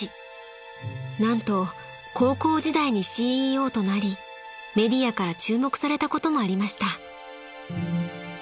［何と高校時代にＣＥＯとなりメディアから注目されたこともありました］